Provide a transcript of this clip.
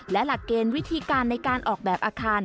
และหลักเกณฑ์วิธีการในการออกแบบอาคาร